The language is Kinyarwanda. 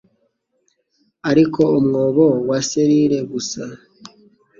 Ariko umwobo wa selire gusa,